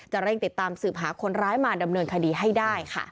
เร่งติดตามสืบหาคนร้ายมาดำเนินคดีให้ได้ค่ะ